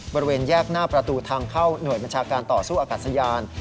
บริเวณแยกหน้าประตูทางเข้าหน่วยอุตสถาคต์สู้อากาศยนต์